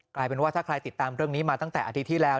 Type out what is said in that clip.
กลายเป็นว่าถ้าใครติดตามเรื่องนี้มาตั้งแต่อาทิตย์ที่แล้ว